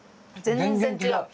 全然違う。